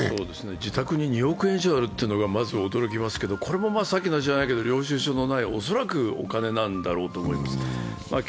自宅に２億円以上あるというのがまず驚きますけど、これもさっきの事案じゃないけど、恐らく領収書のないお金なんだろうと思います。